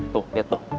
tuh liat tuh